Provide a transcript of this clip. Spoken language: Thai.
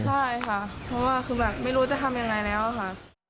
ใช่ค่ะเพราะว่าไม่รู้จะทำอย่างไรแล้วค่ะ